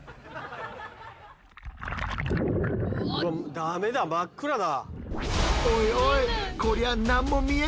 ダメだ真っ暗だ。